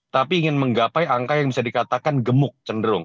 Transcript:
tapi ingin menggapai angka yang bisa dikatakan gemuk cenderung